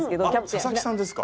あっ佐々木さんですか。